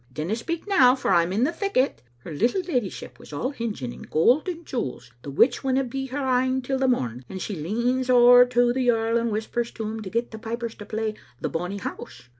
Dinna speak now, for I'm in the thick o't. Her little leddyship was all hinging in gold and jewels, the which winna be her ain till the mom; and she leans ower to the earl and whispers to him to get the pipers to play *The Bonny House.